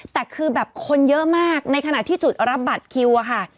แต่คือแบบคนเยอะมากในขณะที่จุดรับบัตรคิวอะค่ะ